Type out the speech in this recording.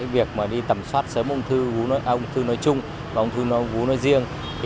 việc mà đi tầm soát sớm ung thư nói chung và ung thư nói riêng